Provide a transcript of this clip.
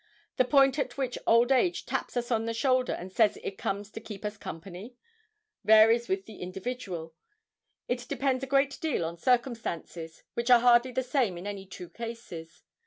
The point at which old age taps us on the shoulder, and says it comes to keep us company, varies with every individual. It depends a great deal on circumstances, which are hardly the same in any two cases.